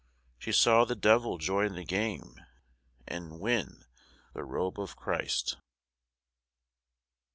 She saw the Devil join the game And win the Robe of Christ.